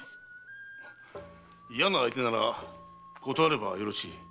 嫌な相手なら断ればよろしい。